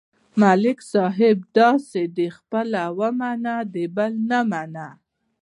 ملک صاحب داسې دی: خپله ومني، د بل نه مني.